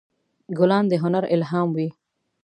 ګلان د هنر الهام وي.